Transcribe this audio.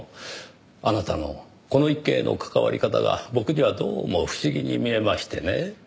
あなたのこの一件への関わり方が僕にはどうも不思議に見えましてね。